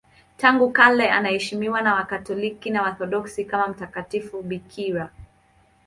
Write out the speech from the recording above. Tangu kale anaheshimiwa na Wakatoliki na Waorthodoksi kama mtakatifu bikira.